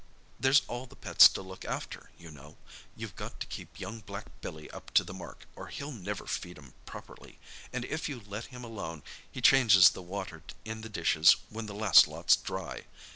There's all the pets to look after, you know—you've got to keep young black Billy up to the mark, or he'll never feed 'em properly, and if you let him alone he changes the water in the dishes when the last lot's dry.